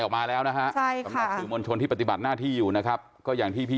ข่าราจล่าสุดก็ต้อง